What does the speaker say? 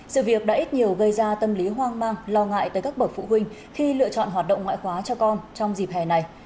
sự việc đã ít nhiều gây ra tâm lý hoang mang lo ngại tới các bậc phụ huynh khi lựa chọn hoạt động ngoại khóa cho con trong dịp hè này